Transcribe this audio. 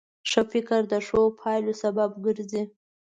ښه فکر د ښو پایلو سبب ګرځي.